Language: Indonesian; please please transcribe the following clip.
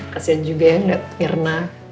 kasian juga ya nggak myrna